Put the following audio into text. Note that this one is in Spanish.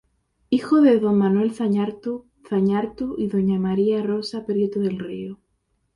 Hijo de don Manuel Zañartu Zañartu y doña María Rosa Prieto del Río.